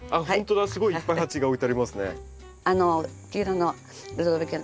すごいいっぱい鉢が置いてありますね。